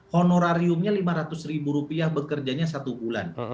honorariumnya rp lima ratus bekerjanya satu bulan